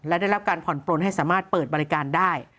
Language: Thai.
และได้รับการผ่อนปลนให้สามารถเปิดบริการได้